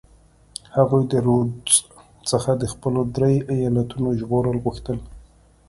هغوی د رودز څخه د خپلو درې ایالتونو ژغورل غوښتل.